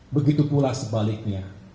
begitu pula sebaliknya